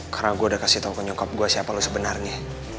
karena gue udah kasih tau ke nyokap gue siapa lo sebenarnya